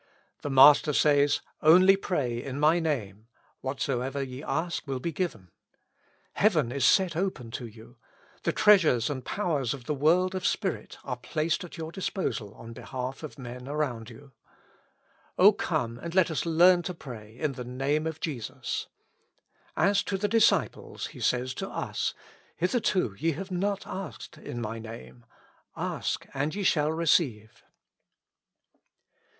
The Master says : Only pray in my Name: whatsoever ye ask will be given. Hea 195 With Christ in the School of Prayer. ven is set open to you ; the treasures and powers of the world of spirit are placed at your disposal on behalf of men around you. O come and let us learn to pray in the Name of Jesus. As to the disciples, He says to us, " Hitherto ye have not asked in my Name : ask, and ye shall receive."